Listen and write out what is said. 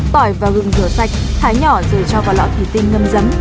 tỏi và gừng rửa sạch thái nhỏ rồi cho vào lọ thủy tinh ngâm giấm